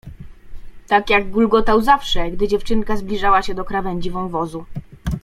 Tak jak gulgotał zawsze, gdy dziewczynka zbliżała się do krawędzi wąwozu.